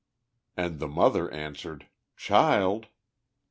And the mother answered, "Child!"